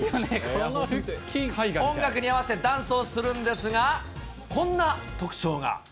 この腹筋、音楽に合わせダンスをするんですが、こんな特徴が。